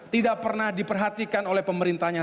tidak pernah diperhatikan oleh pemerintahnya